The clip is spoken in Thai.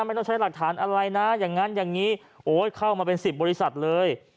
ไม่ต้องใช้หลักฐานอะไรนะอย่างนั้นอย่างนี้โอ้ยเข้ามาเป็น๑๐บริษัทเลย